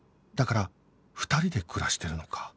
だから２人で暮らしてるのか